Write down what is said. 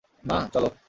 মা, চলো!